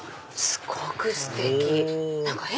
すごくステキ！お！